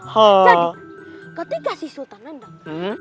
jadi ketika si sultan nendang